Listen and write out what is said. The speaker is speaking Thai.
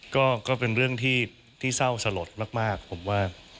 ก็เป็นเรื่องที่เศร้าสลดมากผมว่า